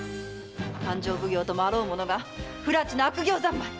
勘定奉行ともあろう者が不埒な悪行三昧！